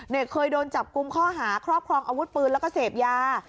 เคยโดนจับกุมข้อหาครอบครองอาวุธปืนแล้วก็เสพยา